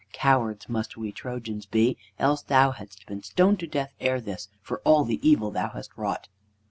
Cowards must we Trojans be, else thou hadst been stoned to death ere this, for all the evil thou hast wrought."